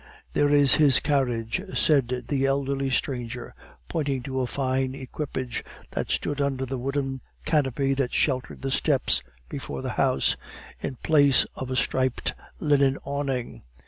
"There is his carriage," said the elderly stranger, pointing to a fine equipage that stood under the wooden canopy that sheltered the steps before the house, in place of a striped linen awning.